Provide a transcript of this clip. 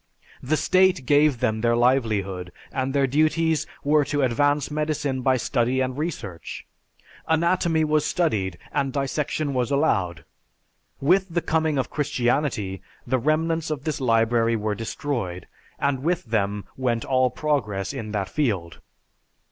The state gave them their livelihood and their duties were to advance medicine by study and research. Anatomy was studied and dissection was allowed. With the coming of Christianity, the remnants of this library were destroyed, and with them went all progress in that field.